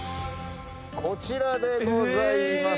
ごちらでございます。